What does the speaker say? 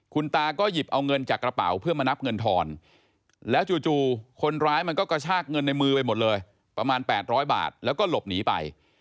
คุณตาก็หยิบเอาเงินจากกระเป๋าเพื่อมานับเงินทอนแล้วจู่คนร้ายมันก็กระชากเงินในมือไปหมดเลยประมาณ๘๐๐บาทแล้วก็หลบหนีไป